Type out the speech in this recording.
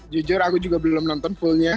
jujur aku juga belum nonton fullnya